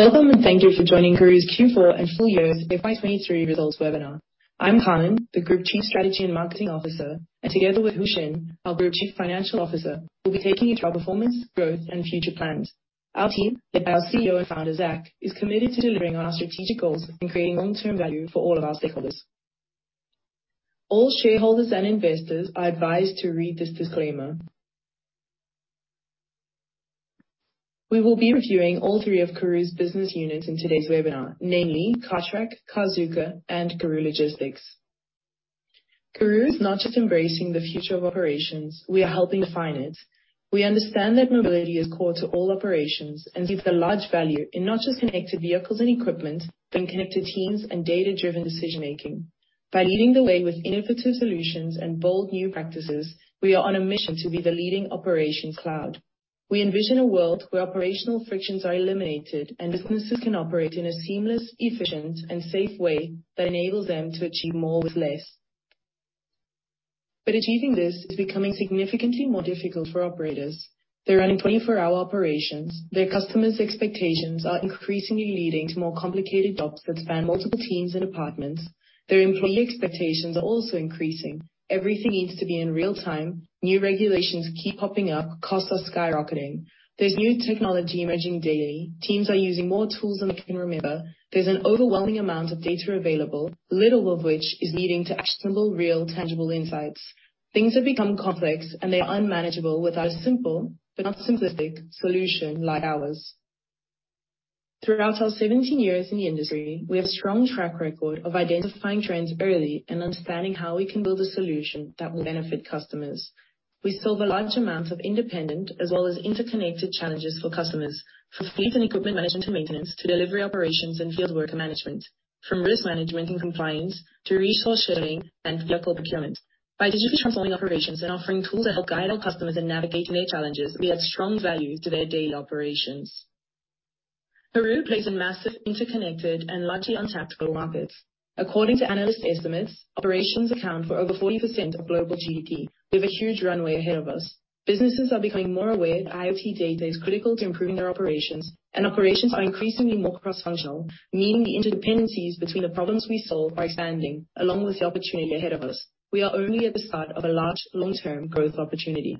Welcome. Thank you for joining Karooooo's Q4 and full-year FY23 results webinar. I'm Carmen, the Group Chief Strategy and Marketing Officer, and together with Hoeshin, our Group Chief Financial Officer, we'll be taking you through our performance, growth, and future plans. Our team, led by our CEO and Founder, Zak, is committed to delivering on our strategic goals and creating long-term value for all of our stakeholders. All shareholders and investors are advised to read this disclaimer. We will be reviewing all three of Karooooo's business units in today's webinar, namely Cartrack, Carzuka, and Karooooo Logistics. Karooooo is not just embracing the future of operations, we are helping define it. We understand that mobility is core to all operations and sees the large value in not just connected vehicles and equipment, but in connected teams and data-driven decision-making. By leading the way with innovative solutions and bold new practices, we are on a mission to be the leading operations cloud. We envision a world where operational frictions are eliminated and businesses can operate in a seamless, efficient, and safe way that enables them to achieve more with less. Achieving this is becoming significantly more difficult for operators. They're running 24-hour operations. Their customers' expectations are increasingly leading to more complicated jobs that span multiple teams and departments. Their employee expectations are also increasing. Everything needs to be in real-time. New regulations keep popping up. Costs are skyrocketing. There's new technology emerging daily. Teams are using more tools than we can remember. There's an overwhelming amount of data available, little of which is leading to actionable, real, tangible insights. Things have become complex, and they are unmanageable without a simple, but not simplistic, solution like ours. Throughout our 17 years in the industry, we have a strong track record of identifying trends early and understanding how we can build a solution that will benefit customers. We solve a large amount of independent as well as interconnected challenges for customers from fleet and equipment management to maintenance to delivery operations and field worker management, from risk management and compliance to resource sharing and vehicle procurement. By digitally transforming operations and offering tools that help guide our customers in navigating their challenges, we add strong value to their daily operations. Karooooo plays a massive interconnected and largely untapped global market. According to analyst estimates, operations account for over 40% of global GDP. We have a huge runway ahead of us. Businesses are becoming more aware that IoT data is critical to improving their operations, and operations are increasingly more cross-functional, meaning the interdependencies between the problems we solve are expanding along with the opportunity ahead of us. We are only at the start of a large long-term growth opportunity.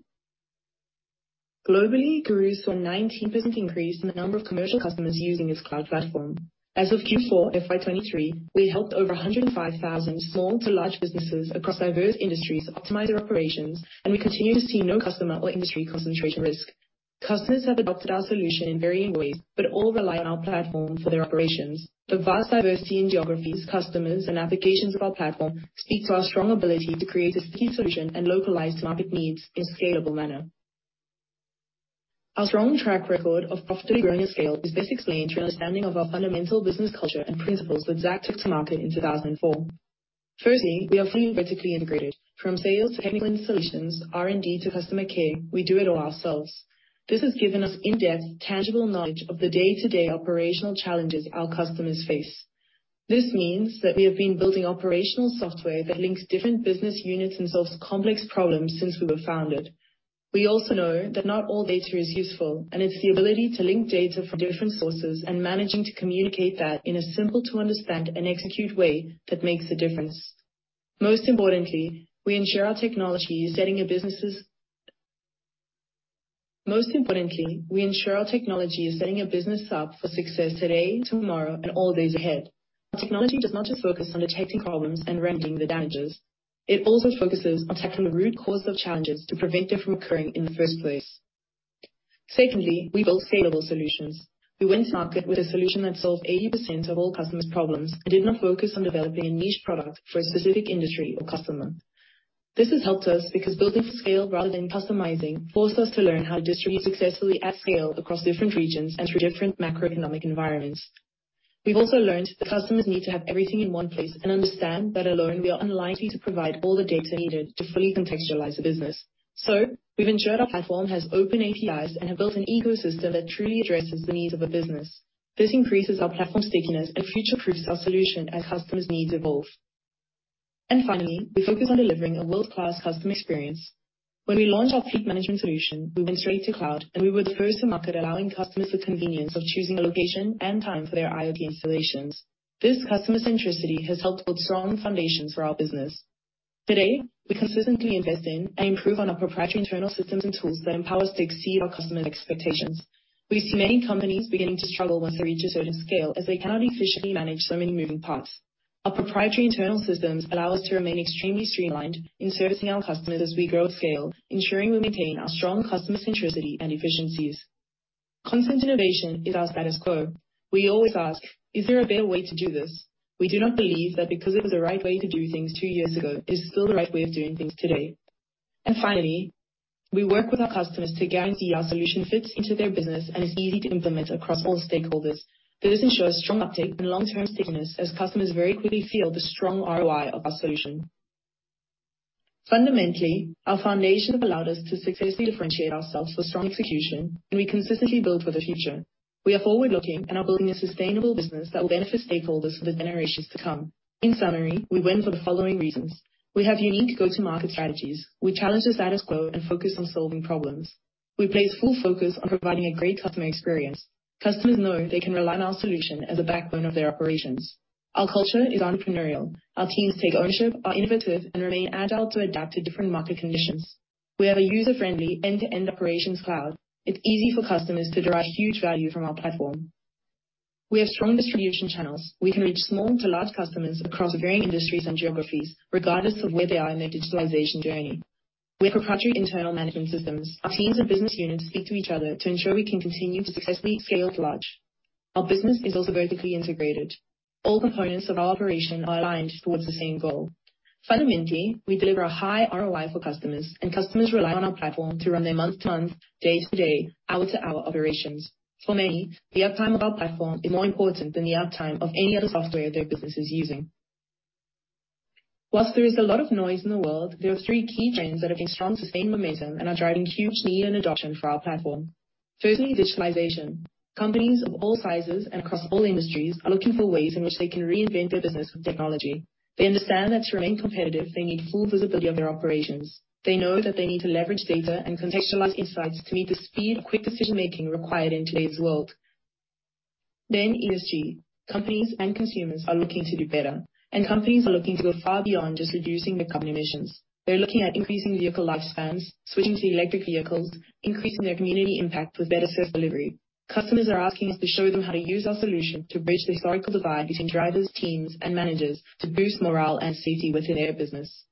Globally, Karooooo saw a 19% increase in the number of commercial customers using its cloud platform. As of Q4 FY23, we helped over 105,000 small to large businesses across diverse industries optimize their operations, and we continue to see no customer or industry concentration risk. Customers have adopted our solution in varying ways, but all rely on our platform for their operations. The vast diversity in geographies, customers, and applications of our platform speak to our strong ability to create a sticky solution and localize to market needs in a scalable manner. Our strong track record of profitably growing at scale is best explained through an understanding of our fundamental business culture and principles that Zak took to market in 2004. Firstly, we are fully vertically integrated. From sales to technical installations, R&D to customer care, we do it all ourselves. This has given us in-depth, tangible knowledge of the day-to-day operational challenges our customers face. This means that we have been building operational software that links different business units and solves complex problems since we were founded. We also know that not all data is useful, and it's the ability to link data from different sources and managing to communicate that in a simple to understand and execute way that makes a difference. Most importantly, we ensure our technology is setting a business's... Most importantly, we ensure our technology is setting a business up for success today, tomorrow, and all days ahead. Our technology does not just focus on detecting problems and remedying the damages. It also focuses on tackling the root cause of challenges to prevent them from occurring in the first place. Secondly, we build scalable solutions. We went to market with a solution that solved 80% of all customers' problems and did not focus on developing a niche product for a specific industry or customer. This has helped us because building to scale rather than customizing forced us to learn how to distribute successfully at scale across different regions and through different macroeconomic environments. We've also learned that customers need to have everything in one place and understand that alone we are unlikely to provide all the data needed to fully contextualize the business. We've ensured our platform has open APIs and have built an ecosystem that truly addresses the needs of a business. This increases our platform stickiness and future-proofs our solution as customers' needs evolve. Finally, we focus on delivering a world-class customer experience. When we launched our fleet management solution, we went straight to cloud, and we were the first to market allowing customers the convenience of choosing a location and time for their IoT installations. This customer centricity has helped build strong foundations for our business. Today, we consistently invest in and improve on our proprietary internal systems and tools that empower us to exceed our customers' expectations. We see many companies beginning to struggle once they reach a certain scale, as they cannot efficiently manage so many moving parts. Our proprietary internal systems allow us to remain extremely streamlined in servicing our customers as we grow at scale, ensuring we maintain our strong customer centricity and efficiencies. Constant innovation is our status quo. We always ask, "Is there a better way to do this?" We do not believe that because it was the right way to do things two years ago, it is still the right way of doing things today. Finally, we work with our customers to guarantee our solution fits into their business and is easy to implement across all stakeholders. This ensures strong uptake and long-term stickiness as customers very quickly feel the strong ROI of our solution. Fundamentally, our foundation has allowed us to successfully differentiate ourselves for strong execution, and we consistently build for the future. We are forward-looking and are building a sustainable business that will benefit stakeholders for the generations to come. In summary, we win for the following reasons: We have unique go-to-market strategies. We challenge the status quo and focus on solving problems. We place full focus on providing a great customer experience. Customers know they can rely on our solution as a backbone of their operations. Our culture is entrepreneurial. Our teams take ownership, are innovative, and remain agile to adapt to different market conditions. We have a user-friendly end-to-end operations cloud. It's easy for customers to derive huge value from our platform. We have strong distribution channels. We can reach small to large customers across varying industries and geographies, regardless of where they are in their digitalization journey. We have proprietary internal management systems. Our teams and business units speak to each other to ensure we can continue to successfully scale to large. Our business is also vertically integrated. All components of our operation are aligned towards the same goal. Fundamentally, we deliver a high ROI for customers, and customers rely on our platform to run their month-to-month, day-to-day, hour-to-hour operations. For many, the uptime of our platform is more important than the uptime of any other software their business is using. While there is a lot of noise in the world, there are three key trends that have been strong, sustained momentum and are driving huge need and adoption for our platform. Firstly, digitalization. Companies of all sizes and across all industries are looking for ways in which they can reinvent their business with technology. They understand that to remain competitive, they need full visibility of their operations. They know that they need to leverage data and contextualize insights to meet the speed of quick decision-making required in today's world. ESG. Companies and consumers are looking to do better, and companies are looking to go far beyond just reducing their carbon emissions. They're looking at increasing vehicle lifespans, switching to electric vehicles, increasing their community impact with better service delivery. Customers are asking us to show them how to use our solution to bridge the historical divide between drivers, teams, and managers to boost morale and safety within their business.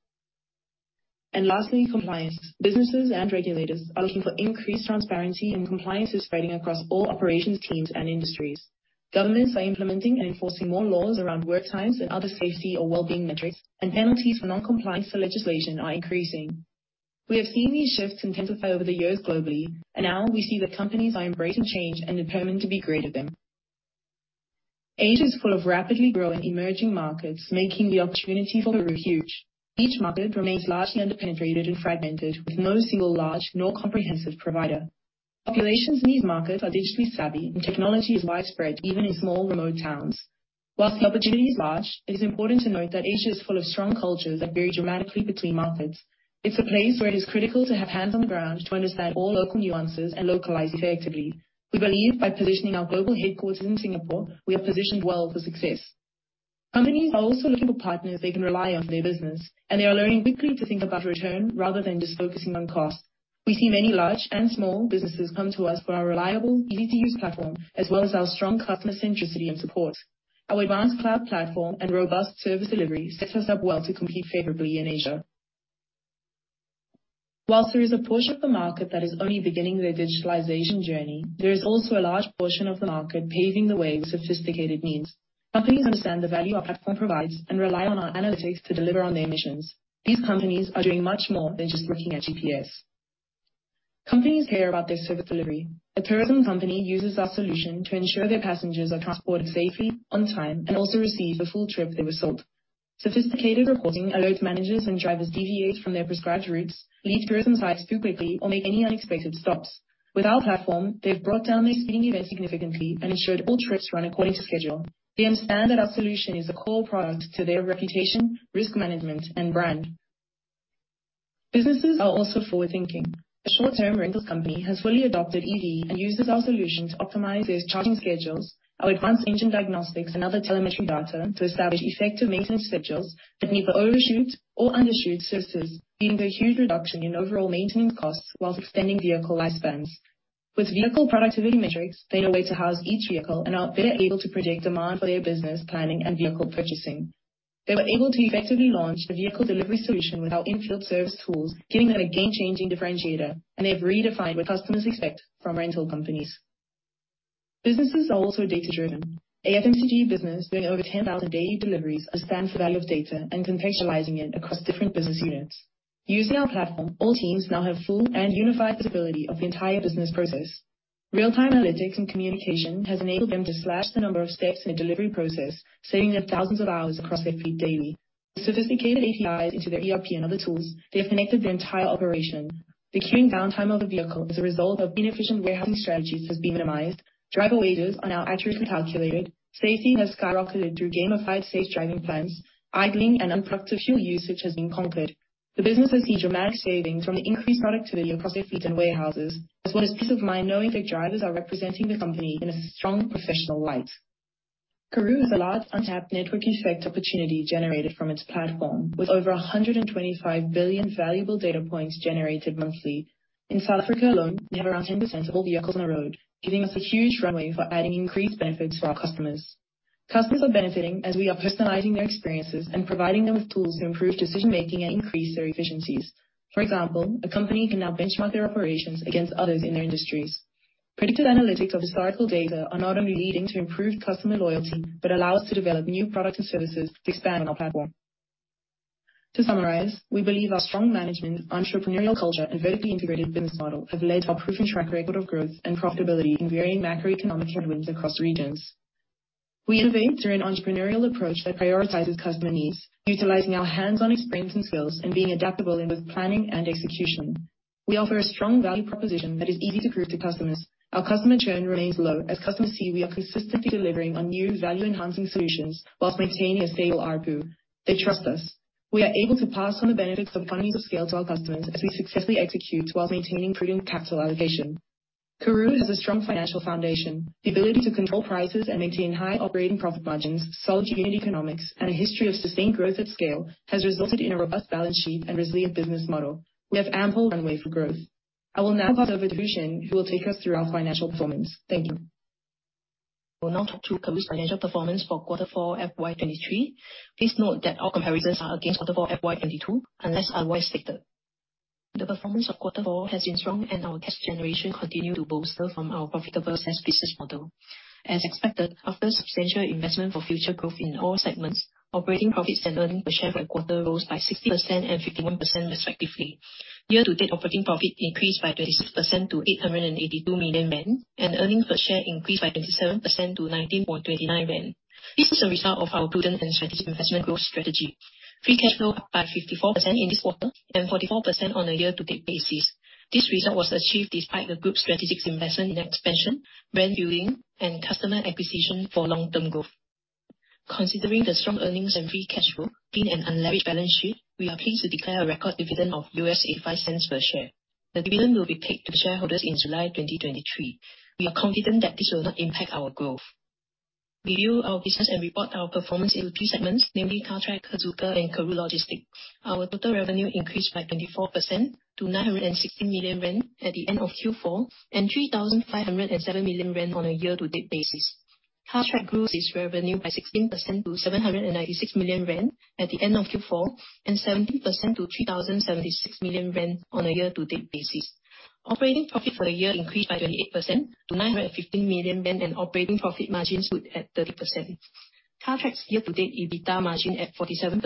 Lastly, compliance. Businesses and regulators are looking for increased transparency, and compliance is spreading across all operations, teams and industries. Governments are implementing and enforcing more laws around work times and other safety or well-being metrics, and penalties for non-compliance to legislation are increasing. We have seen these shifts intensify over the years globally, and now we see that companies are embracing change and determined to be great at them. Asia is full of rapidly growing emerging markets, making the opportunity for Karooooo huge. Each market remains largely under-penetrated and fragmented, with no single large nor comprehensive provider. Populations in these markets are digitally savvy, and technology is widespread, even in small, remote towns. Whilst the opportunity is large, it is important to note that Asia is full of strong cultures that vary dramatically between markets. It's a place where it is critical to have hands on the ground to understand all local nuances and localize effectively. We believe by positioning our global headquarters in Singapore, we are positioned well for success. Companies are also looking for partners they can rely on in their business, and they are learning quickly to think about return rather than just focusing on cost. We see many large and small businesses come to us for our reliable, easy-to-use platform, as well as our strong customer centricity and support. Our advanced cloud platform and robust service delivery sets us up well to compete favorably in Asia. Whilst there is a portion of the market that is only beginning their digitalization journey, there is also a large portion of the market paving the way with sophisticated means. Companies understand the value our platform provides and rely on our analytics to deliver on their missions. These companies are doing much more than just looking at GPS. Companies care about their service delivery. A tourism company uses our solution to ensure their passengers are transported safely, on time, and also receive the full trip they were sold. Sophisticated reporting alerts managers when drivers deviate from their prescribed routes, leave tourism sites too quickly, or make any unexpected stops. With our platform, they've brought down their speeding events significantly and ensured all trips run according to schedule. They understand that our solution is a core product to their reputation, risk management, and brand. Businesses are also forward-thinking. A short-term rentals company has fully adopted EV and uses our solution to optimize their charging schedules, our advanced engine diagnostics, and other telemetry data to establish effective maintenance schedules that meet the overshoot or undershoot services, leading to a huge reduction in overall maintenance costs while extending vehicle lifespans. With vehicle productivity metrics, they know where to house each vehicle and are better able to predict demand for their business planning and vehicle purchasing. They were able to effectively launch the vehicle delivery solution with our in-field service tools, giving them a game-changing differentiator, and they've redefined what customers expect from rental companies. Businesses are also data-driven. A FMCG business doing over 10,000 daily deliveries understands the value of data and contextualizing it across different business units. Using our platform, all teams now have full and unified visibility of the entire business process. Real-time analytics and communication has enabled them to slash the number of steps in the delivery process, saving them thousands of hours across their fleet daily. With sophisticated APIs into their ERP and other tools, they have connected their entire operation. The queuing downtime of a vehicle as a result of inefficient warehousing strategies has been minimized. Driver wages are now accurately calculated. Safety has skyrocketed through gamified safe driving plans. Idling and unproductive fuel usage has been conquered. The businesses see dramatic savings from the increased productivity across their fleet and warehouses, as well as peace of mind knowing their drivers are representing the company in a strong professional light. Karooooo has a large untapped network effect opportunity generated from its platform, with over 125 billion valuable data points generated monthly. In South Africa alone, we have around 10% of all vehicles on the road, giving us a huge runway for adding increased benefits to our customers. Customers are benefiting as we are personalizing their experiences and providing them with tools to improve decision-making and increase their efficiencies. For example, a company can now benchmark their operations against others in their industries. Predictive analytics of historical data are not only leading to improved customer loyalty but allow us to develop new products and services to expand our platform. To summarize, we believe our strong management, entrepreneurial culture, and vertically integrated business model have led to a proven track record of growth and profitability in varying macroeconomic headwinds across regions. We innovate through an entrepreneurial approach that prioritizes customer needs, utilizing our hands-on experience and skills and being adaptable in both planning and execution. We offer a strong value proposition that is easy to prove to customers. Our customer churn remains low as customers see we are consistently delivering on new value-enhancing solutions while maintaining a stable ARPU. They trust us. We are able to pass on the benefits of economies of scale to our customers as we successfully execute whilst maintaining prudent capital allocation. Karooooo has a strong financial foundation. The ability to control prices and maintain high operating profit margins, solid unit economics, and a history of sustained growth at scale has resulted in a robust balance sheet and resilient business model. We have ample runway for growth. I will now pass over to Hoeshin, who will take us through our financial performance. Thank you. I will now talk through Karooooo's financial performance for quarter four, FY 2023. Please note that all comparisons are against quarter four, FY 2022, unless otherwise stated. The performance of quarter four has been strong, and our cash generation continued to bolster from our profitable SaaS business model. As expected, after substantial investment for future growth in all segments, operating profits and earnings per share for the quarter rose by 60% and 51% respectively. Year-to-date operating profit increased by 26% to ZAR 882 million, and earnings per share increased by 27% to ZAR 19.29. This was a result of our prudent and strategic investment growth strategy. Free cash flow up by 54% in this quarter and 44% on a year-to-date basis. This result was achieved despite the group's strategic investment in expansion, brand building, and customer acquisition for long-term growth. Considering the strong earnings and free cash flow in an unleveraged balance sheet, we are pleased to declare a record dividend of $0.85 per share. The dividend will be paid to the shareholders in July 2023. We are confident that this will not impact our growth. We view our business and report our performance in two segments, namely Cartrack, Carzuka, and Karooooo Logistics. Our total revenue increased by 24% to 960 million rand at the end of Q4, and 3,507 million rand on a year-to-date basis. Cartrack grew its revenue by 16% to 796 million rand at the end of Q4, and 17% to 3,076 million rand on a year-to-date basis. Operating profit for the year increased by 28% to 915 million rand, and operating profit margin stood at 30%. Cartrack's year-to-date EBITDA margin at 47%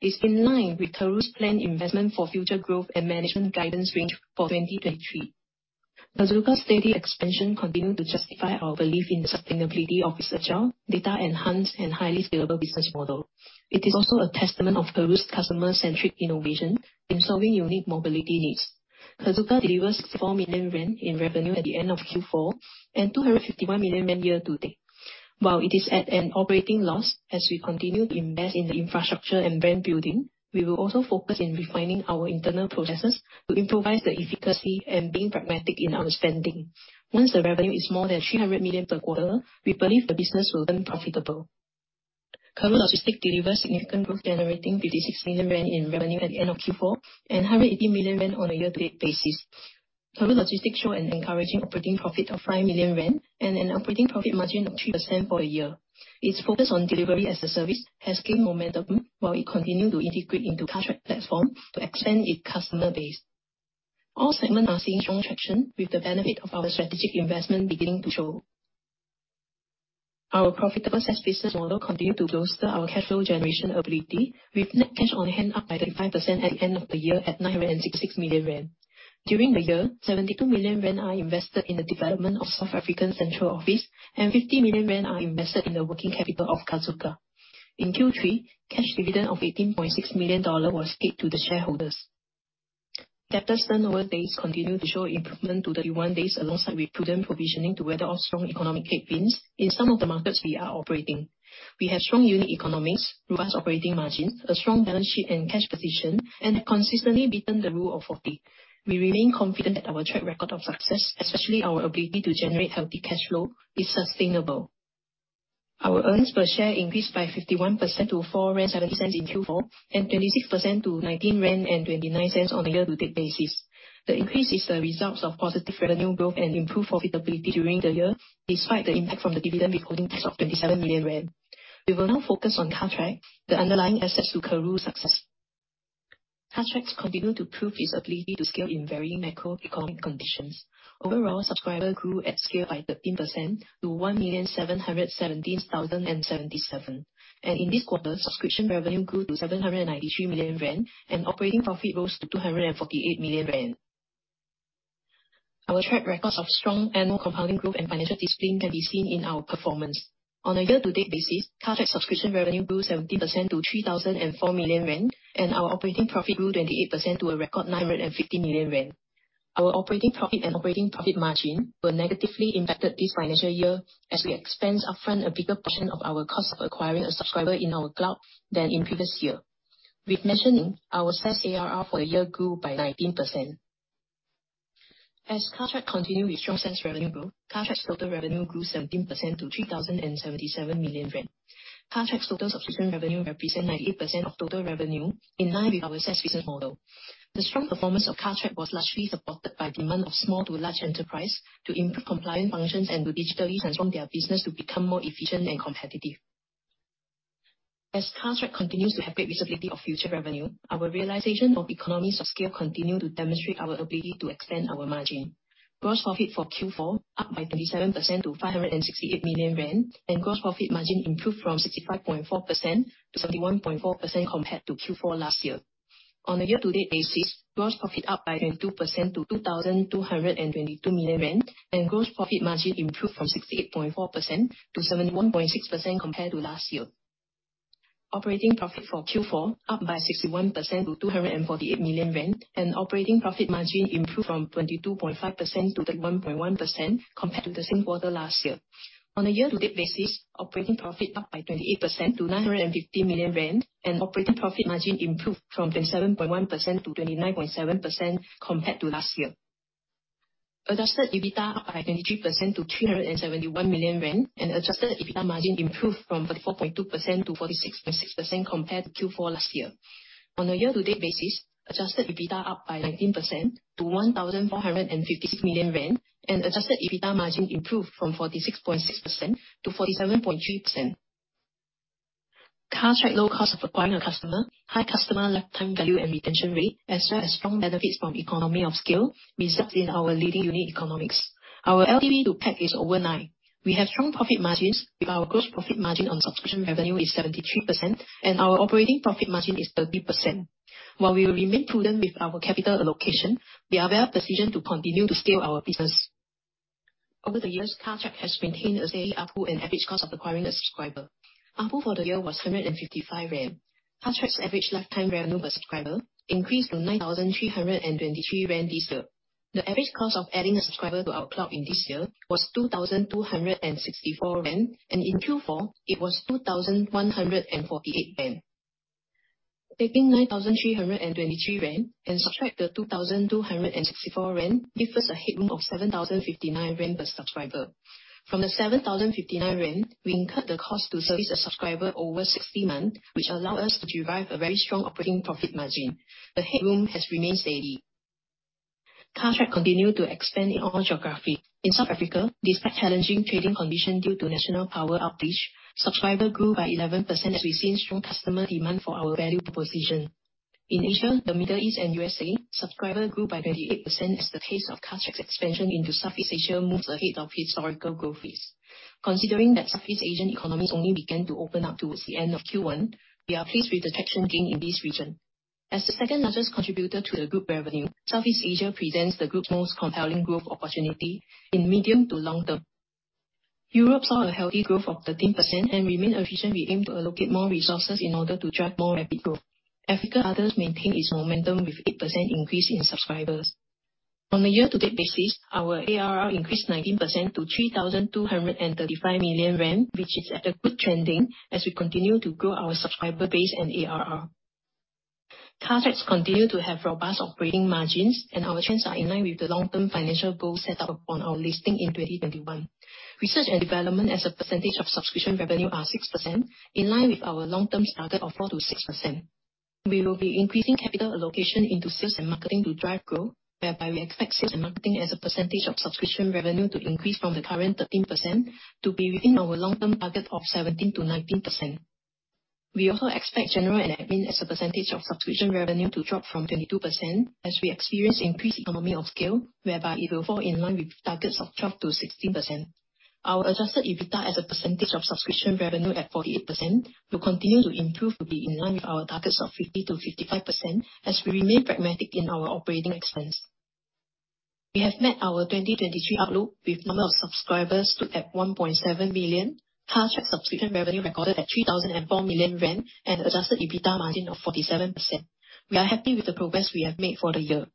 is in line with Karooooo's planned investment for future growth and management guidance range for 2023. Carzuka's steady expansion continued to justify our belief in the sustainability of its agile, data-enhanced, and highly scalable business model. It is also a testament of Karooooo's customer-centric innovation in solving unique mobility needs. Carzuka delivered 64 million rand in revenue at the end of Q4, and 251 million rand year to date. While it is at an operating loss, as we continue to invest in the infrastructure and brand building, we will also focus in refining our internal processes to improve the efficacy and being pragmatic in our spending. Once the revenue is more than 300 million per quarter, we believe the business will turn profitable. Karooooo Logistics delivered significant growth, generating 56 million rand in revenue at the end of Q4, and 180 million rand on a year-to-date basis. Karooooo Logistics showed an encouraging operating profit of 5 million rand and an operating profit margin of 3% for the year. Its focus on delivery as a service has gained momentum, while it continued to integrate into Cartrack platform to expand its customer base. All segments are seeing strong traction with the benefit of our strategic investment beginning to show. Our profitable SaaS business model continued to bolster our cash flow generation ability with net cash on hand up by 35% at the end of the year at 966 million rand. During the year, 72 million rand are invested in the development of South African central office, and 50 million rand are invested in the working capital of Carzuka. In Q3, cash dividend of ZAR 18.6 million was paid to the shareholders. Debtors' turnover days continued to show improvement to 31 days, alongside with prudent provisioning to weather off strong economic headwinds in some of the markets we are operating. We have strong unit economics, robust operating margins, a strong balance sheet and cash position, and have consistently beaten the Rule of 40. We remain confident that our track record of success, especially our ability to generate healthy cash flow, is sustainable. Our earnings per share increased by 51% to 4.07 rand in Q4, and 26% to 19.29 rand on a year-to-date basis. The increase is the result of positive revenue growth and improved profitability during the year, despite the impact from the dividend withholding tax of 27 million rand. We will now focus on Cartrack, the underlying assets to Karooooo's success. Cartrack's continued to prove its ability to scale in varying macroeconomic conditions. Overall, subscriber grew at scale by 13% to 1,717,077. In this quarter, subscription revenue grew to 793 million rand, and operating profit rose to 248 million rand. Our track record of strong annual compounding growth and financial discipline can be seen in our performance. On a year-to-date basis, Cartrack subscription revenue grew 17% to 3,004 million rand, and our operating profit grew 28% to a record 950 million rand. Our operating profit and operating profit margin were negatively impacted this financial year as we expensed upfront a bigger portion of our cost of acquiring a subscriber in our cloud than in previous year. With mentioning, our SaaS ARR for the year grew by 19%. As Cartrack continued with strong SaaS revenue growth, Cartrack's total revenue grew 17% to 3,077 million rand. Cartrack's total subscription revenue represent 98% of total revenue in line with our SaaS business model. The strong performance of Cartrack was largely supported by demand of small to large enterprise to improve compliant functions and to digitally transform their business to become more efficient and competitive. As Cartrack continues to have great visibility of future revenue, our realization of economies of scale continue to demonstrate our ability to expand our margin. Gross profit for Q4 up by 27% to 568 million rand. Gross profit margin improved from 65.4% to 71.4% compared to Q4 last year. On a year-to-date basis, gross profit up by 22% to 2,222 million rand. Gross profit margin improved from 68.4% to 71.6% compared to last year. Operating profit for Q4 up by 61% to 248 million rand. Operating profit margin improved from 22.5% to 31.1% compared to the same quarter last year. On a year-to-date basis, operating profit up by 28% to 950 million rand, and operating profit margin improved from 27.1% to 29.7% compared to last year. Adjusted EBITDA up by 23% to 371 million rand, and adjusted EBITDA margin improved from 44.2%-46.6% compared to Q4 last year. On a year-to-date basis, adjusted EBITDA up by 19% to 1,456 million rand, and adjusted EBITDA margin improved from 46.6%-47.3%. Cartrack low cost of acquiring a customer, high customer lifetime value and retention rate, as well as strong benefits from economy of scale, results in our leading unique economics. Our LTV to CAC is over nine. We have strong profit margins with our gross profit margin on subscription revenue is 73%, and our operating profit margin is 30%. While we remain prudent with our capital allocation, we are well-positioned to continue to scale our business. Over the years, Cartrack has maintained a steady ARPU and average cost of acquiring a subscriber. ARPU for the year was 155. Cartrack's average lifetime revenue per subscriber increased to 9,323 this year. The average cost of adding a subscriber to our club in this year was 2,264, and in Q4, it was 2,148. Taking 9,323 and subtract the 2,264 leaves us a headroom of 7,059 per subscriber. From the 7,059 rand, we incur the cost to service a subscriber over 60 months, which allow us to derive a very strong operating profit margin. The headroom has remained steady. Cartrack continue to expand in all geographies. In South Africa, despite challenging trading conditions due to national power outage, subscriber grew by 11% as we've seen strong customer demand for our value proposition. In Asia, the Middle East, and USA, subscriber grew by 28% as the pace of Cartrack's expansion into Southeast Asia moves ahead of historical growth rates. Considering that Southeast Asian economies only began to open up towards the end of Q1, we are pleased with the traction gained in this region. As the second-largest contributor to the group revenue, Southeast Asia presents the group's most compelling growth opportunity in medium to long term. Europe saw a healthy growth of 13% and remain a region we aim to allocate more resources in order to drive more rapid growth. Africa Others maintain its momentum with 8% increase in subscribers. On a year-to-date basis, our ARR increased 19% to 3,235 million rand, which is at a good trending as we continue to grow our subscriber base and ARR. Cartrack continue to have robust operating margins, and our trends are in line with the long-term financial goals set up on our listing in 2021. Research and development as a percentage of subscription revenue are 6%, in line with our long-term target of 4%-6%. We will be increasing capital allocation into sales and marketing to drive growth, whereby we expect sales and marketing as a percentage of subscription revenue to increase from the current 13% to be within our long-term target of 17%-19%. We also expect general and admin as a percentage of subscription revenue to drop from 22% as we experience increased economy of scale, whereby it will fall in line with targets of 12%-16%. Our adjusted EBITDA as a percentage of subscription revenue at 48% will continue to improve to be in line with our targets of 50%-55% as we remain pragmatic in our operating expense. We have met our 2023 outlook with number of subscribers stood at 1.7 million, Cartrack subscription revenue recorded at 3,004 million rand, and adjusted EBITDA margin of 47%. We are happy with the progress we have made for the year.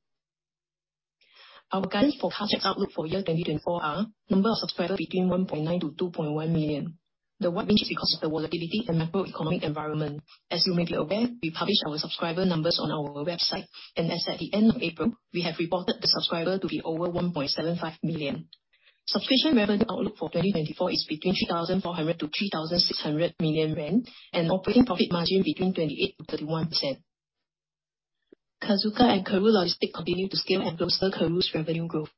Our guidance for Cartrack's outlook for year 2024 are number of subscribers between 1.9 million-2.1 million. The wide range is because of the volatility and macroeconomic environment. As you may be aware, we publish our subscriber numbers on our website, and as at the end of April, we have reported the subscriber to be over 1.75 million. Subscription revenue outlook for 2024 is between 3,400 million-3,600 million rand, and operating profit margin between 28%-31%. Carzuka and Karooooo Logistics continue to scale and bolster Karooooo's revenue growth.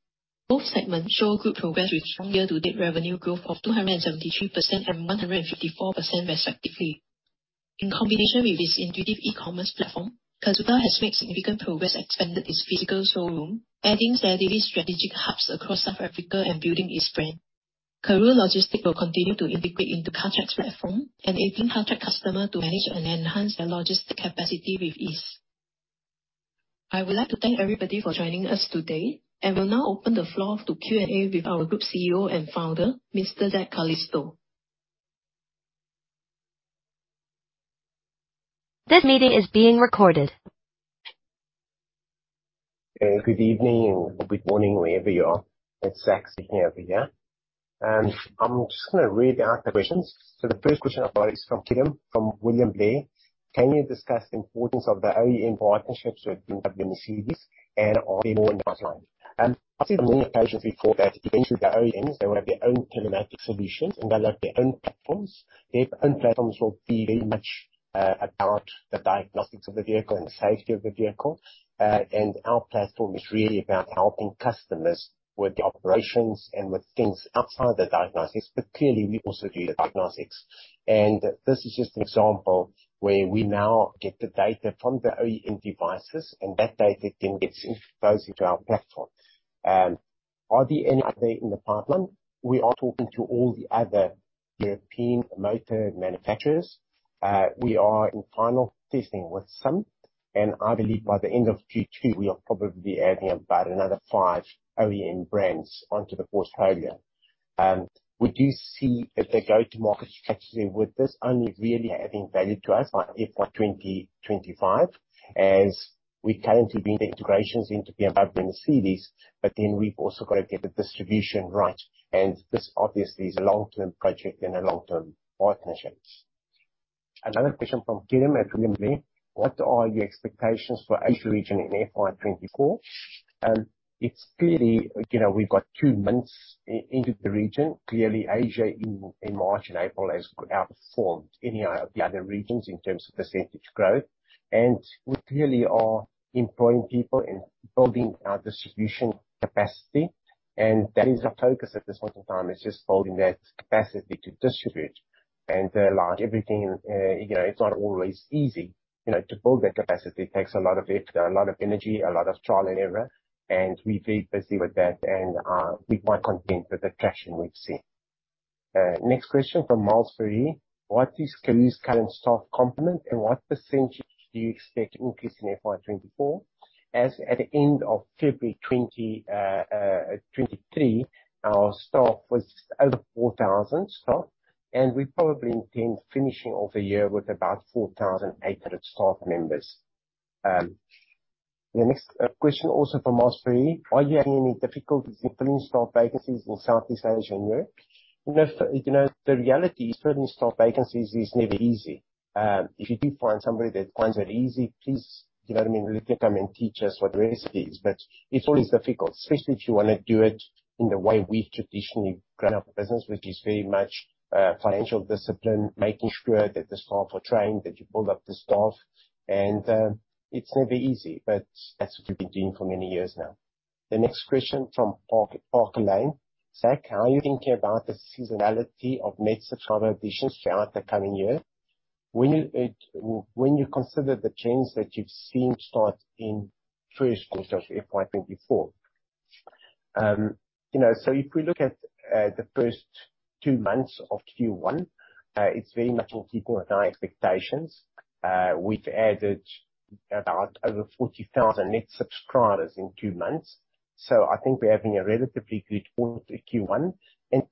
Both segments show good progress with strong year-to-date revenue growth of 273% and 154% respectively. In combination with its intuitive e-commerce platform, Carzuka has made significant progress expanded its physical showroom, adding steadily strategic hubs across South Africa and building its brand. Karooooo Logistics will continue to integrate into Cartrack's platform, enabling Cartrack customer to manage and enhance their logistic capacity with ease. I would like to thank everybody for joining us today and will now open the floor to Q&A with our Group CEO and Founder, Mr. Zak Calisto. Good evening and good morning wherever you are. It's Zak speaking over here. I'm just gonna read out the questions. The first question I've got is from William, from William Blair. Can you discuss the importance of the OEM partnerships with BMW and Mercedes, and are there more in the pipeline? I've said on many occasions before that eventually the OEMs, they will have their own telematics solutions, and they'll have their own platforms. Their own platforms will be very much about the diagnostics of the vehicle and the safety of the vehicle. Our platform is really about helping customers with the operations and with things outside the diagnostics, but clearly, we also do the diagnostics. This is just an example where we now get the data from the OEM devices, and that data then gets introduced into our platform. Are there any other in the pipeline? We are talking to all the other European motor manufacturers. We are in final testing with some. I believe by the end of Q2, we are probably adding about another five OEM brands onto the portfolio. Would you see as a go-to-market strategy with this only really adding value to us by FY 2025 as we currently bring the integrations into BMW and Mercedes? We've also got to get the distribution right, and this obviously is a long-term project and a long-term partnership. Another question from Kieran at William Blair. What are the expectations for Asia region in FY 2024? It's clearly, you know, we've got two months into the region. Clearly, Asia in March and April has outperformed any of the other regions in terms of percentage growth. We clearly are employing people and building our distribution capacity, and that is our focus at this point in time, is just building that capacity to distribute. Like everything, you know, it's not always easy. You know, to build that capacity takes a lot of effort, a lot of energy, a lot of trial and error, and we're very busy with that. We are quite content with the traction we've seen. Next question from Miles Berry. What is Cartrack's current staff complement, and what percent do you expect increase in FY 2024? As at the end of February 2023, our staff was over 4,000 staff. We probably intend finishing off the year with about 4,800 staff members. The next question, also from Miles Berry. Are you having any difficulties in filling staff vacancies in Southeast Asia and Europe? You know, the reality is filling staff vacancies is never easy. If you do find somebody that finds that easy, please, you know what I mean, let them come and teach us what the recipe is. It's always difficult, especially if you wanna do it in the way we've traditionally grown our business, which is very much financial discipline, making sure that the staff are trained, that you build up the staff. It's never easy, but that's what we've been doing for many years now. The next question from Parker Lane. Zak, how are you thinking about the seasonality of net subscriber additions throughout the coming year when you consider the trends that you've seen start in first quarter of FY 2024? You know, so if we look at the first two months of Q1, it's very much in keeping with our expectations. We've added about over 40,000 net subscribers in two months, so I think we're having a relatively good quarter Q1.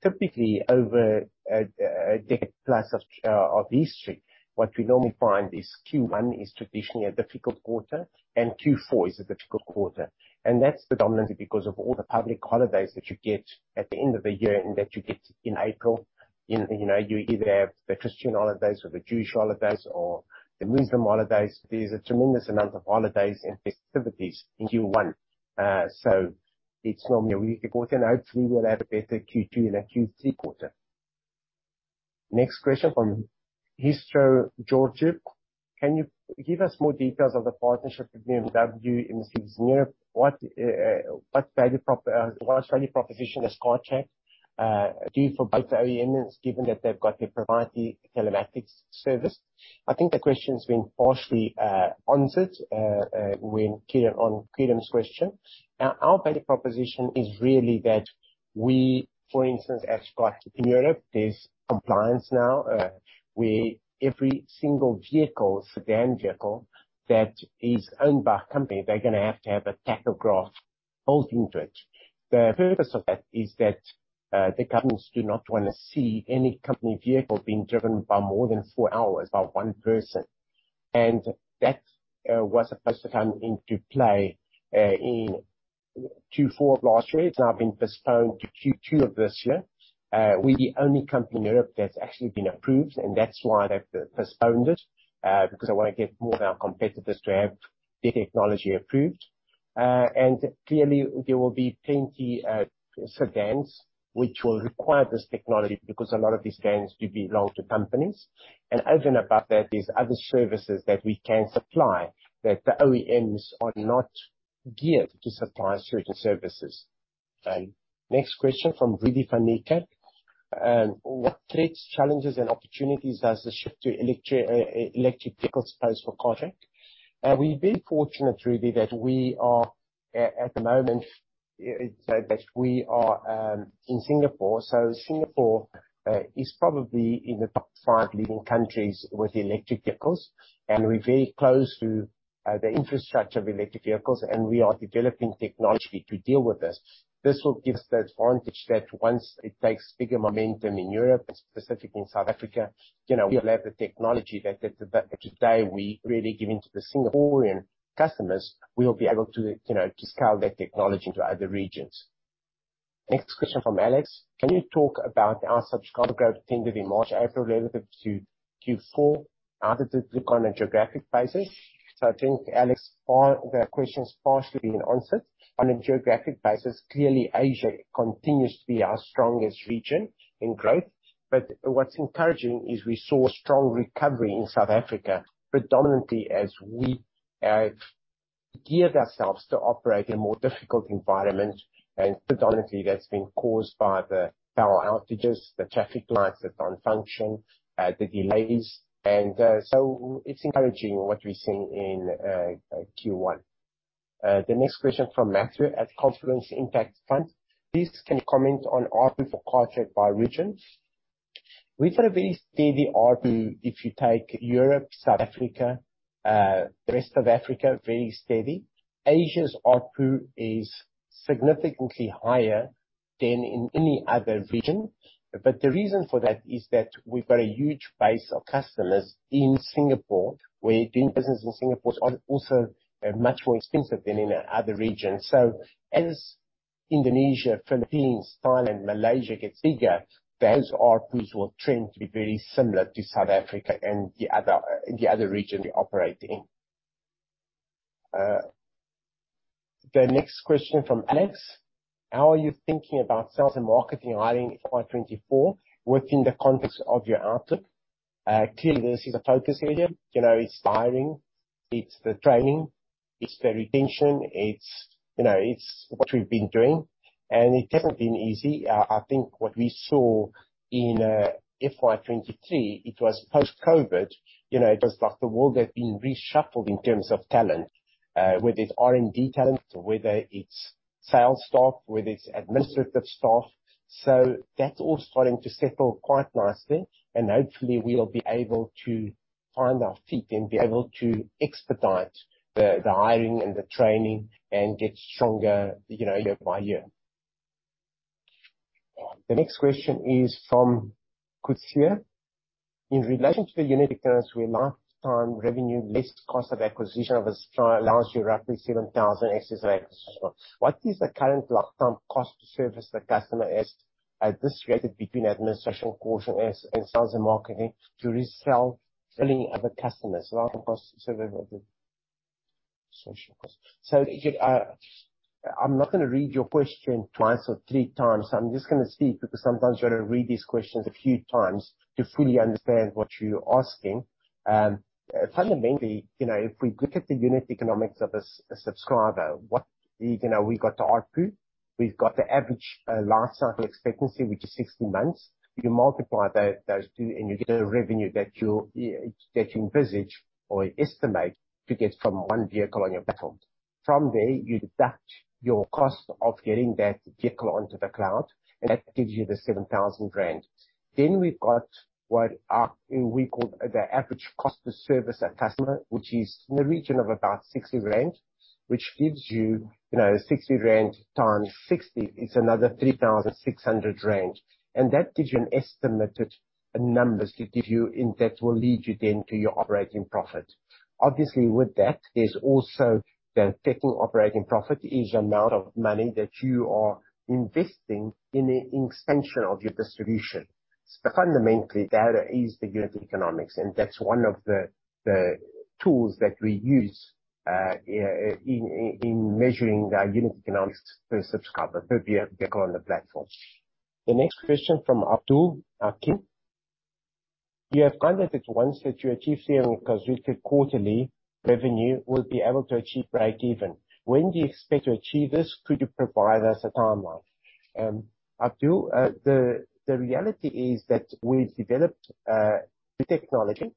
Typically, over a decade plus of history, what we normally find is Q1 is traditionally a difficult quarter, and Q4 is a difficult quarter. That's predominantly because of all the public holidays that you get at the end of the year, and that you get in April. In, you know, you either have the Christian holidays or the Jewish holidays or the Muslim holidays. There's a tremendous amount of holidays and festivities in Q1. It's normally a weaker quarter, and hopefully we'll have a better Q2 and a Q3 quarter. Next question from Bistra Georgiev. Can you give us more details of the partnership with BMW in this new year? What value prop, what value proposition does Cartrack do for both the OEMs, given that they've got their proprietary telematics service? I think the question's been partially answered, on Kieran's question. Our value proposition is really that we, for instance, as Cartrack in Europe, there's compliance now, where every single vehicle, sedan vehicle that is owned by a company, they're gonna have to have a tachograph built into it. The purpose of that is that the governments do not wanna see any company vehicle being driven by more than four hours by one person. That was supposed to come into play in Q4 of last year. It's now been postponed to Q2 of this year. We're the only company in Europe that's actually been approved, and that's why they've postponed it because they wanna get more of our competitors to have their technology approved. Clearly there will be plenty sedans which will require this technology, because a lot of these sedans do belong to companies. Over and above that, there's other services that we can supply that the OEMs are not geared to supply certain services. Next question from Rudy van Niekerk. What threats, challenges and opportunities does the shift to electric vehicles pose for Cartrack? We're very fortunate, Rudy, that we are at the moment in Singapore. Singapore is probably in the top five leading countries with electric vehicles, and we're very close to the infrastructure of electric vehicles, and we are developing technology to deal with this. This will give us the advantage that once it takes bigger momentum in Europe and specifically in South Africa, you know, we'll have the technology that today we're already giving to the Singaporean customers, we'll be able to, you know, to scale that technology into other regions. Next question from Alex. Can you talk about how subscriber growth tended in March, April relative to Q4? How does it look on a geographic basis? I think, Alex, the question's partially been answered. On a geographic basis, clearly Asia continues to be our strongest region in growth. What's encouraging is we saw strong recovery in South Africa, predominantly as we have geared ourselves to operate in a more difficult environment. Predominantly that's been caused by the power outages, the traffic lights that don't function, the delays. It's encouraging what we're seeing in Q1. The next question from Matthew at Congruence Impact Fund. Please, can you comment on ARPU for Cartrack by region? We've got a very steady ARPU if you take Europe, South Africa, the rest of Africa, very steady. Asia's ARPU is significantly higher than in any other region. The reason for that is that we've got a huge base of customers in Singapore. We're doing business in Singapore is also much more expensive than in other regions. As Indonesia, Philippines, Thailand, Malaysia gets bigger, those ARPUs will trend to be very similar to South Africa and the other region we operate in. The next question from Alex: How are you thinking about sales and marketing hiring in FY 2024 within the context of your outlook? Clearly this is a focus area. You know, it's hiring, it's the training, it's the retention. It's, you know, it's what we've been doing, and it hasn't been easy. I think what we saw in FY 2023, it was post-COVID. You know, it was like the world had been reshuffled in terms of talent, whether it's R&D talent, or whether it's sales staff, whether it's administrative staff. That's all starting to settle quite nicely, and hopefully we'll be able to find our feet and be able to expedite the hiring and the training and get stronger, you know, year by year. The next question is from Kooskia. In relation to the unit economics where lifetime revenue less cost of acquisition of a subscriber allows you roughly 7,000 excess. What is the current lifetime cost to service the customer as this created between administration caution as in sales and marketing to resell selling other customers cost. I'm not gonna read your question twice or three times. I'm just gonna see, because sometimes you gotta read these questions a few times to fully understand what you're asking. Fundamentally, you know, if we look at the unit economics of a subscriber, what, you know, we got to ARPU. We've got the average life cycle expectancy, which is 60 months. You multiply those two, you get a revenue that you'll that you envisage or estimate to get from one vehicle on your platform. From there, you deduct your cost of getting that vehicle onto the cloud, that gives you the 7,000. We've got what we call the average cost to service a customer, which is in the region of about 60 rand, which gives you know, 60 rand times 60 is another 3,600 rand. That gives you an estimated numbers it gives you and that will lead you then to your operating profit. Obviously, with that, there's also the affecting operating profit is amount of money that you are investing in the extension of your distribution. Fundamentally, that is the unit economics, and that's one of the tools that we use in measuring our unit economics per subscriber, per vehicle on the platform. The next question from Abdul Hakim. You have conducted once that you achieve 300 million Carzuka quarterly revenue, we'll be able to achieve breakeven. When do you expect to achieve this? Could you provide us a timeline? Abdul, the reality is that we've developed new technology,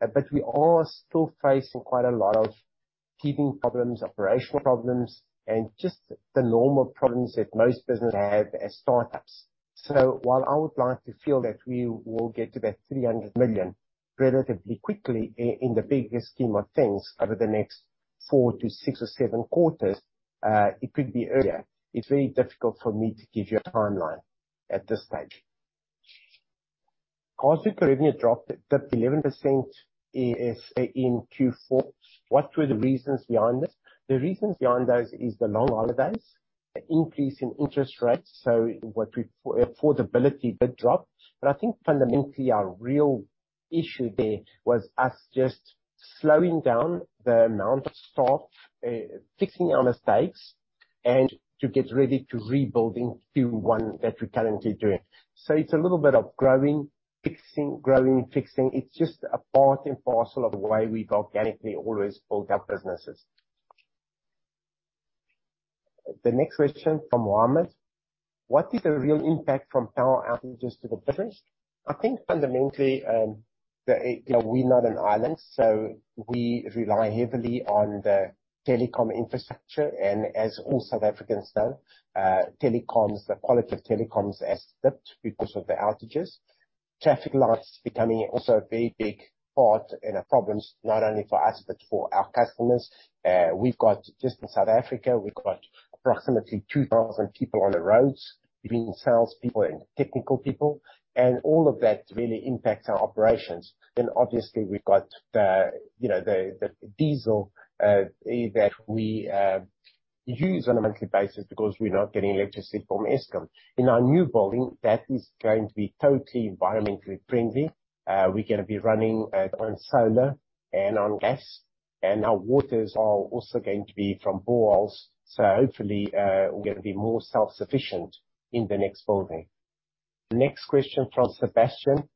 but we are still facing quite a lot of keeping problems, operational problems, and just the normal problems that most business have as startups. While I would like to feel that we will get to that 300 million relatively quickly in the bigger scheme of things over the next 4-6 or seven quarters, it could be earlier. It's very difficult for me to give you a timeline at this stage. Carzuka revenue dropped 11% in Q4. What were the reasons behind this? The reasons behind those is the long holidays, the increase in interest rates, so affordability did drop. I think fundamentally our real issue there was us just slowing down the amount of staff, fixing our mistakes and to get ready to rebuilding Q1 that we're currently doing. It's a little bit of growing, fixing, growing, fixing. It's just a part and parcel of the way we've organically always built our businesses. The next question from Mohammed. What is the real impact from power outages to the business? I think fundamentally, we're not an island, so we rely heavily on the telecom infrastructure. As all South Africans know, telecoms, the quality of telecoms has slipped because of the outages. Traffic lights becoming also a very big part in our problems, not only for us but for our customers. We've got just in South Africa, we've got approximately 2,000 people on the roads between salespeople and technical people, and all of that really impacts our operations. Obviously we've got the, you know, the diesel that we use on a monthly basis because we're not getting electricity from Eskom. In our new building, that is going to be totally environmentally friendly. We're gonna be running on solar and on gas, and our waters are also going to be from boreholes. Hopefully, we're gonna be more self-sufficient in the next building. Next question from Sebastian.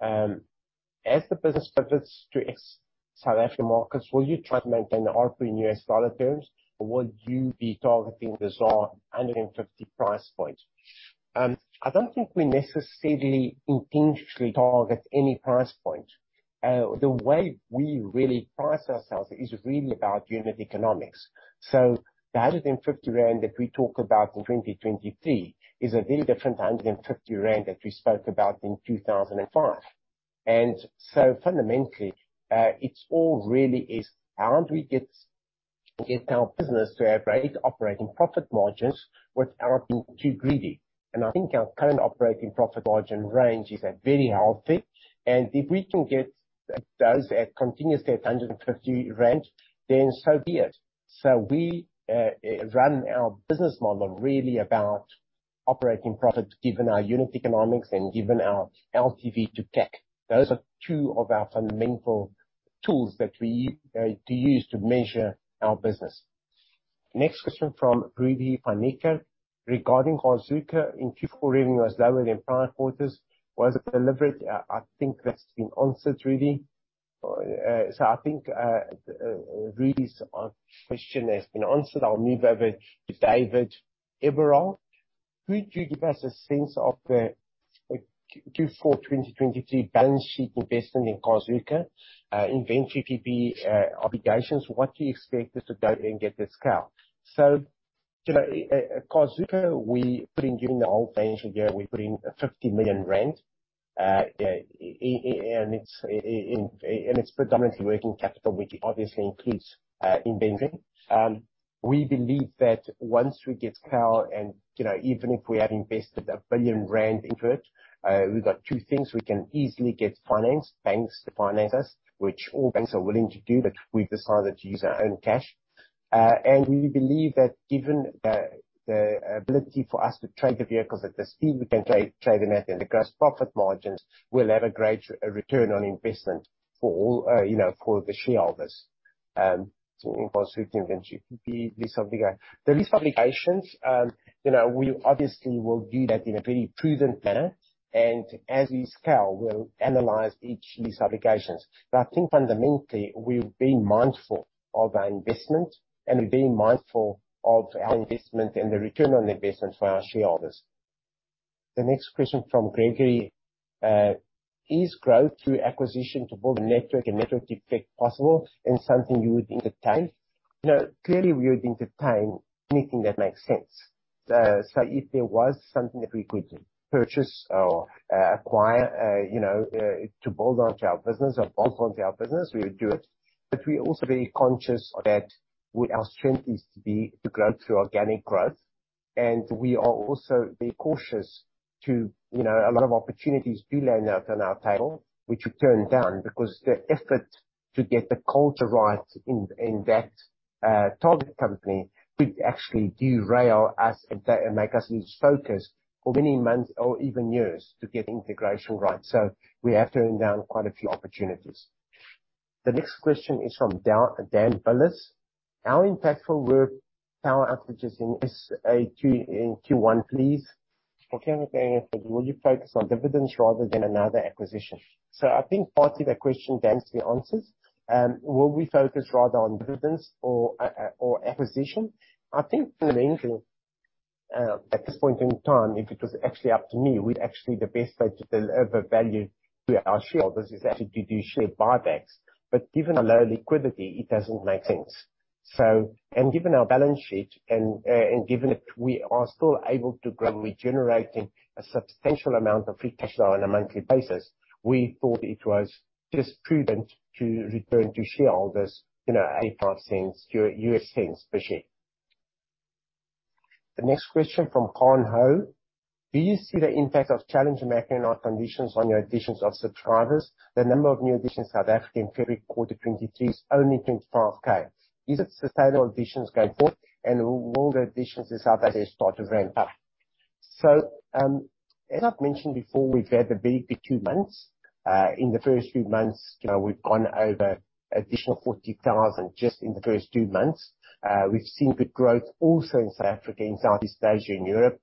As the business pivots to ex-South African markets, will you try to maintain the ARPU in US dollar terms, or will you be targeting the 150 price point? I don't think we necessarily intentionally target any price point. The way we really price ourselves is really about unit economics. The 150 rand that we talk about in 2023 is a very different 150 rand that we spoke about in 2005. Fundamentally, it's all really is how do we get our business to have great operating profit margins without being too greedy? I think our current operating profit margin range is a very healthy, and if we can get those at continuously at 150 rand, then so be it. We run our business model really about operating profit, given our unit economics and given our LTV to CAC. Those are two of our fundamental tools that we do use to measure our business. Next question from Rudy van Niekerk regarding Carzuka in Q4 revenue was lower than prior quarters. Was it deliberate? I think that's been answered really. I think Rudy's question has been answered. I'll move over to David Eborall. Could you give us a sense of the Q4 2023 balance sheet investment in Carzuka, in VTP obligations, what do you expect this to go and get the scale? You know, at Carzuka, we put in during the whole financial year, we put in 50 million rand, and it's predominantly working capital, which obviously includes inventory. We believe that once we get scale, and, you know, even if we have invested 1 billion rand into it, we've got two things. We can easily get finance, banks to finance us, which all banks are willing to do, but we've decided to use our own cash. We believe that given the ability for us to trade the vehicles at the speed we can trade them at, and the gross profit margins will have a great ROI for all, you know, for the shareholders. In Carzuka lease obligation. The lease obligations, you know, we obviously will do that in a very prudent manner, and as we scale, we'll analyze each lease obligations. I think fundamentally, we've been mindful of our investment, and we're being mindful of our investment and the ROI for our shareholders. The next question from Gregory is growth through acquisition to build network and network effect possible and something you would entertain? You know, clearly we would entertain anything that makes sense. If there was something that we could purchase or acquire, you know, to build onto our business or bolt onto our business, we would do it. We're also very conscious that our strength is to be, to grow through organic growth. We are also very cautious to, you know, a lot of opportunities do land on our table, which we turn down because the effort to get the culture right in that target company could actually derail us and make us lose focus for many months or even years to get integration right. We have turned down quite a few opportunities. The next question is from Dan Villas. How impactful were power outages in SA in Q1, please? Will you focus on dividends rather than another acquisition? I think partly the question basically answers, will we focus rather on dividends or acquisition? I think fundamentally, at this point in time, if it was actually up to me, we'd actually the best way to deliver value to our shareholders is actually to do share buybacks. Given the low liquidity, it doesn't make sense. Given our balance sheet and given we are still able to grow, we're generating a substantial amount of free cash flow on a monthly basis, we thought it was just prudent to return to shareholders, you know, $0.85 per share. The next question from Khan Ho. Do you see the impact of challenging macroeconomic conditions on your additions of subscribers? The number of new additions South Africa in Q4 2023 is only 25K. Is it sustainable additions going forward, and will the additions in South Asia start to ramp-up? As I've mentioned before, we've had the big two months. In the first few months, you know, we've gone over additional 40,000 just in the first two months. We've seen good growth also in South Africa, in Southeast Asia, in Europe.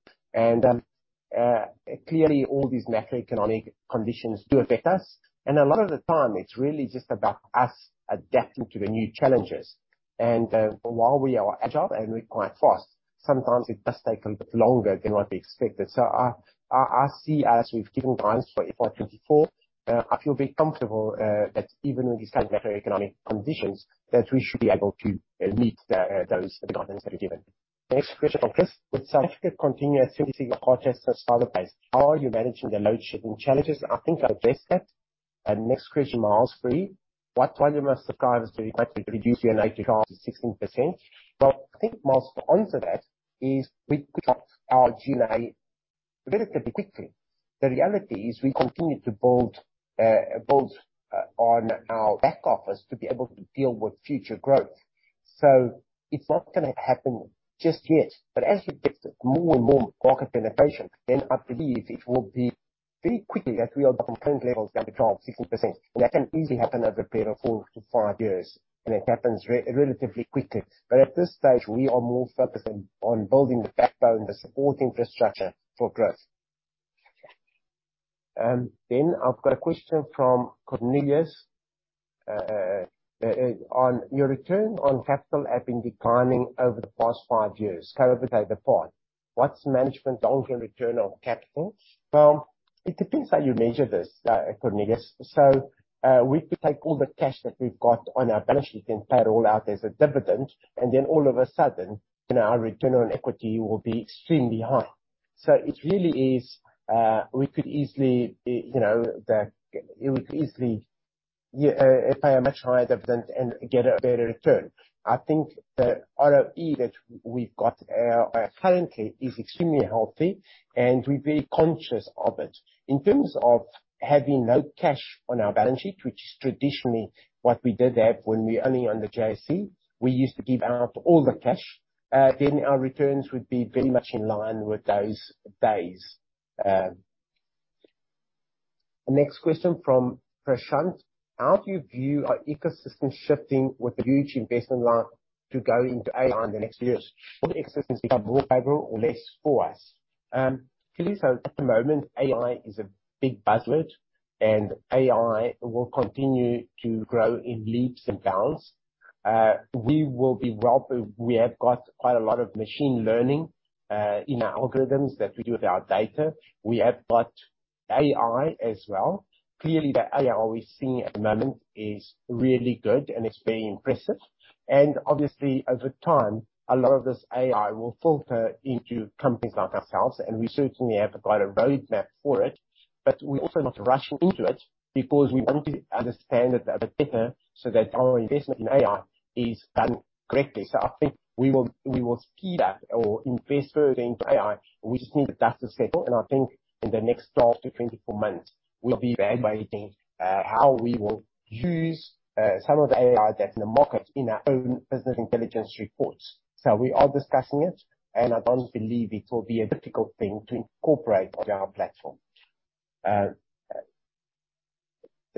Clearly all these macroeconomic conditions do affect us. A lot of the time, it's really just about us adapting to the new challenges. While we are agile and we're quite fast, sometimes it does take a bit longer than what we expected. I see as we've given guidance for FY 2024, I feel very comfortable that even with these kind of macroeconomic conditions, that we should be able to meet the those guidance that we've given. Next question from Chris. With South Africa continuing a 26th quarter how are you managing the load shedding challenges? I think I addressed that. Next question, Miles Berry. What volume of subscribers do you expect to reduce your NCA to 16%? Well, I think, Miles, to answer that is we've got our G&A relatively quickly. The reality is we continue to build on our back office to be able to deal with future growth. It's not gonna happen just yet. As you get more and more market penetration, then I believe it will be very quickly that we are the current levels, 25%, 16%. That can easily happen over a period of four to five years, and it happens relatively quickly. At this stage, we are more focused on building the backbone, the support infrastructure for growth. I've got a question from Cornelius on your return on capital have been declining over the past five years. COVID apart. What's management long-term return on capital? It depends how you measure this, Cornelius. We could take all the cash that we've got on our balance sheet and pay it all out as a dividend, and then all of a sudden, you know, our return on equity will be extremely high. It really is, we could easily, you know, We could easily pay a much higher dividend and get a better return. I think the ROE that we've got currently is extremely healthy, and we're very conscious of it. In terms of having no cash on our balance sheet, which is traditionally what we did have when we were only on the JSE, we used to give out all the cash. Our returns would be very much in line with those days. The next question from Prashant. How do you view our ecosystem shifting with the huge investment now to go into AI in the next years? Will the ecosystems become more favorable or less for us? At the moment, AI is a big buzzword, and AI will continue to grow in leaps and bounds. We have got quite a lot of machine learning in our algorithms that we do with our data. We have got AI as well. Clearly, the AI we're seeing at the moment is really good, and it's very impressive. Obviously, over time, a lot of this AI will filter into companies like ourselves, and we certainly have quite a roadmap for it. We're also not rushing into it because we want to understand it a bit better so that our investment in AI is done correctly. I think we will speed up or invest further into AI. We just need the dust to settle, and I think in the next 12-24 months, we'll be evaluating how we will use some of the AI that's in the market in our own business intelligence reports. We are discussing it, and I don't believe it will be a difficult thing to incorporate on our platform. The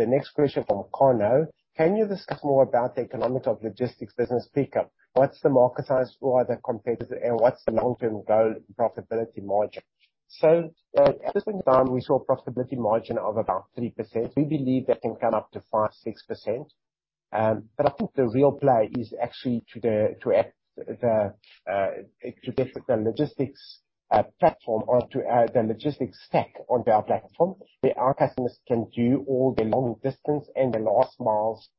next question from Kano. Can you discuss more about the economics of logistics business Picup? What's the market size for other competitors, and what's the long-term goal profitability margin? At this in time we saw a profitability margin of about 3%. We believe that can come up to 5%-6%. But I think the real play is actually to add the logistics platform or to add the logistics stack onto our platform, where our customers can do all the long distance and the last miles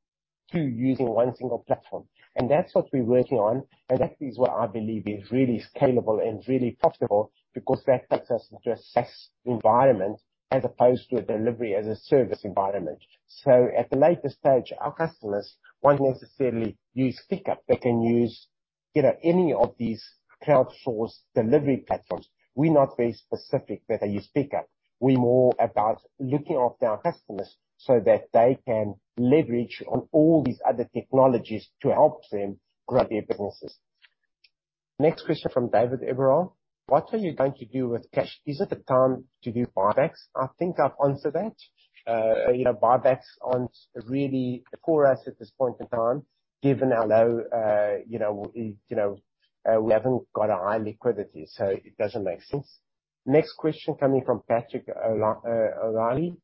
too using one single platform. That's what we're working on, and that is what I believe is really scalable and really profitable because that takes us into a SaaS environment as opposed to a delivery as a service environment. At the later stage, our customers won't necessarily use Picup. They can use, you know, any of these crowdsourced delivery platforms. We're not very specific that they use Picup. We're more about looking after our customers so that they can leverage on all these other technologies to help them grow their businesses. Next question from David Eborall. What are you going to do with cash? Is it the time to do buybacks? I think I've answered that. You know, buybacks aren't really for us at this point in time, given our low, you know, you know, we haven't got a high liquidity, so it doesn't make sense. Next question coming from Patrick O'Reilly.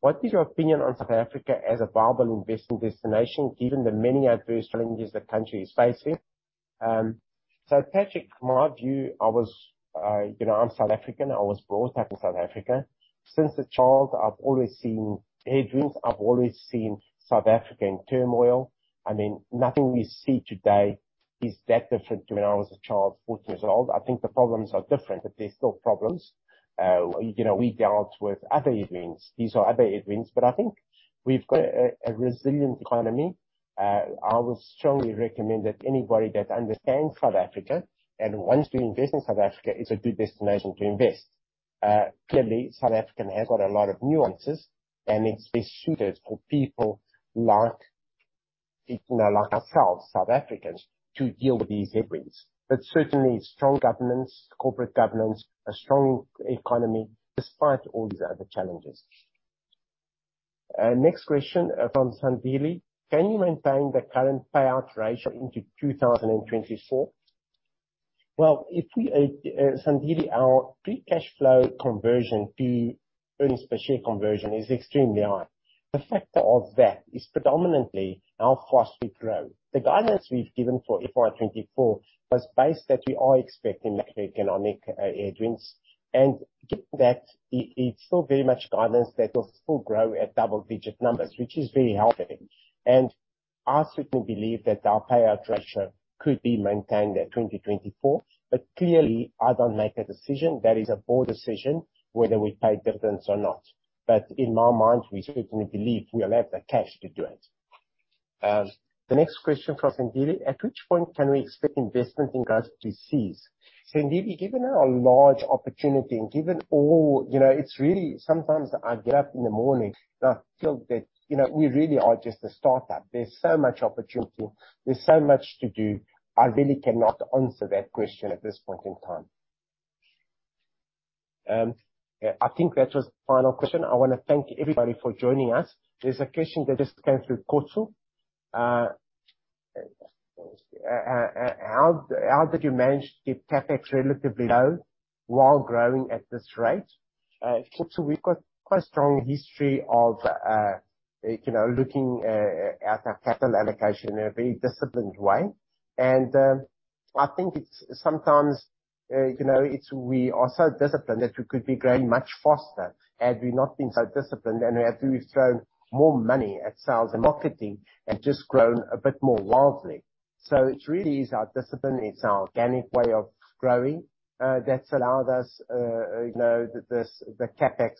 What is your opinion on South Africa as a viable investment destination given the many adverse challenges the country is facing? Patrick, my view, I was, you know, I'm South African. I was brought up in South Africa. Since a child, I've always seen headwinds. I've always seen South Africa in turmoil. I mean, nothing we see today is that different to when I was a child, 14 years old. I think the problems are different, but there's still problems. You know, we dealt with other headwinds. These are other headwinds, but I think we've got a resilient economy. I would strongly recommend that anybody that understands South Africa and wants to invest in South Africa, it's a good destination to invest. Clearly, South African has got a lot of nuances, and it's best suited for people like, you know, like ourselves, South Africans, to deal with these headwinds. Certainly strong governance, corporate governance, a strong economy despite all these other challenges. Next question, from Sandile. Can you maintain the current payout ratio into 2024? If we, Sandile, our free cash flow conversion to earnings per share conversion is extremely high. The factor of that is predominantly how fast we grow. The guidance we've given for FY 2024 was based that we are expecting macroeconomic headwinds. Given that, it's still very much guidance that will still grow at double digit numbers, which is very healthy. I certainly believe that our payout ratio could be maintained at 2024. Clearly, I don't make a decision. That is a board decision whether we pay dividends or not. In my mind, we certainly believe we will have the cash to do it. The next question from Sandile. At which point can we expect investment in growth to cease? Sandile, given our large opportunity and given all. You know, it's really sometimes I get up in the morning, and I feel that, you know, we really are just a startup. There's so much opportunity. There's so much to do. I really cannot answer that question at this point in time. Yeah. I think that was the final question. I wanna thank everybody for joining us. There's a question that just came through Kotu. How did you manage to keep CapEx relatively low while growing at this rate? Kotu, we've got quite a strong history of, you know, looking at our capital allocation in a very disciplined way. I think it's sometimes, you know, we are so disciplined that we could be growing much faster had we not been so disciplined and had we thrown more money at sales and marketing and just grown a bit more wildly. It really is our discipline. It's our organic way of growing that's allowed us, you know, this, the CapEx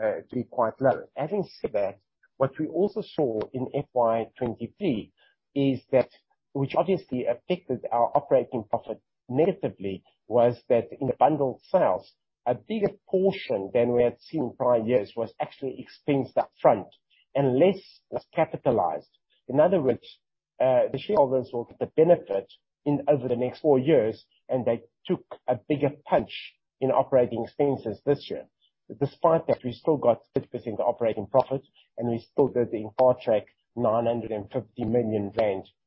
to be quite low. Having said that, what we also saw in FY 2023 is that, which obviously affected our operating profit negatively, was that in the bundled sales, a bigger portion than we had seen in prior years was actually expensed up front and less was capitalized. In other words, the shareholders will get the benefit in over the next four years. They took a bigger punch in operating expenses this year. Despite that, we still got 50% operating profit. We still did the on track 950 million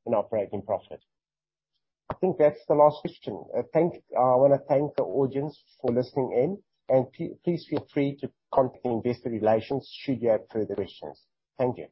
in operating profit. I think that's the last question. I wanna thank the audience for listening in. Please feel free to contact Investor Relations should you have further questions. Thank you.